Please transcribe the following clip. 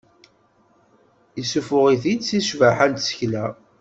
Yessuffuɣ-it-id seg ccbaḥa n tsekla.